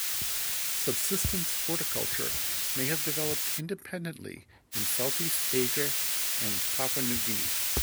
Subsistence horticulture may have developed independently in South East Asia and Papua New Guinea.